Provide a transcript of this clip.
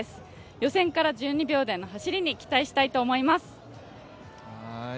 予選から１２秒台の走りに期待したいと思います。